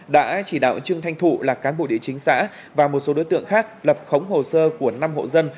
đã chỉ đạo trương thanh thụ là cán bộ địa chính xã và một số đối tượng khác lập khống hồ sơ của năm hộ dân